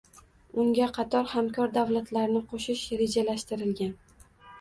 Unga qator hamkor davlatlarni qoʻshish rejalashtirilgan.